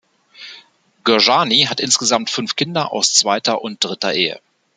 Gyurcsány hat insgesamt fünf Kinder aus zweiter und dritter Ehe.